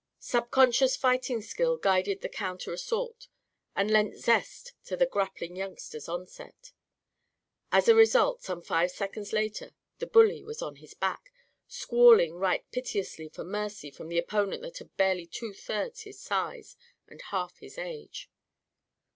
Subconscious fighting skill guided the counter assault and lent zest to the grappling youngster's onset. As a result, some five seconds later, the bully was on his back, squalling right piteously for mercy from the opponent that was barely two thirds his size, and half his age.